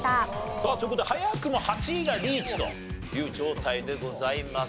さあという事で早くも８位がリーチという状態でございます。